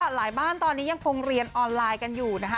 หลายบ้านตอนนี้ยังคงเรียนออนไลน์กันอยู่นะคะ